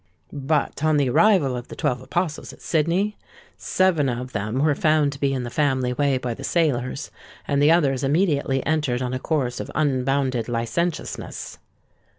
But on the arrival of the Twelve Apostles at Sydney, seven of them were found to be in the family way by the sailors; and the others immediately entered on a course of unbounded licentiousness.